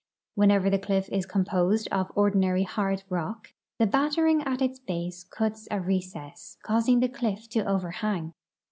Whenever the cliff is cfmijiosed of ordinary hard rock, the battering at its base cuts a recess, causing the cliff to overhang.